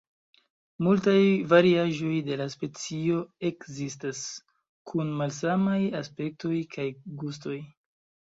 Multaj variaĵoj de la specio ekzistas, kun malsamaj aspektoj kaj gustoj.